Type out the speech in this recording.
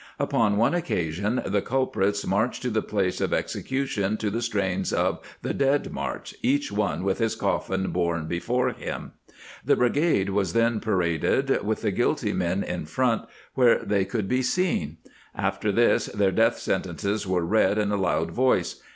Upon one occasion the culprits marched to the place of execution to the strains of the " Dead March," each one with his coffin borne before him. The brigade was then pa raded, with the guilty men in front where they could be seen; after this their death sentences were read in a loud voice.